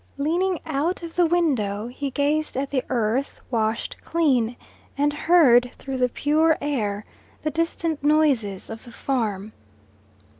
Leaning out of the window, he gazed at the earth washed clean and heard through the pure air the distant noises of the farm.